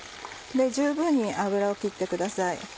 十分に油を切ってください。